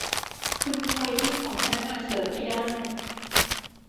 คุณขโมยทิปของพนักงานเสิร์ฟไม่ได้ !